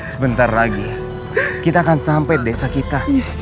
sebentar lagi kita akan sampai desa kita